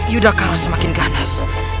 yudhakara semakin ganas